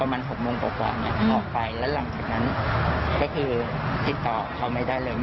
ประมาณ๖โมงกว่าออกไปแล้วหลังจากนั้นก็คือติดต่อเขาไม่ได้เลย